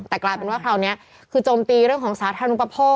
แต่กลายเป็นว่าคราวนี้คือโจมตีเรื่องของสาธารณุปโภค